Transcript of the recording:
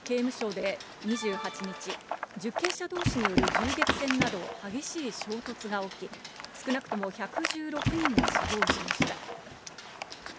南米エクアドルの刑務所で２８日、受刑者どうしによる銃撃戦など、激しい衝突が起き、少なくとも１１６人が死亡しました。